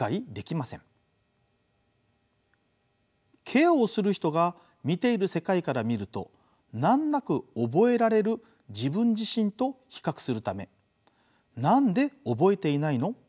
ケアをする人が見ている世界から見ると難なく覚えられる自分自身と比較するため何で覚えていないの？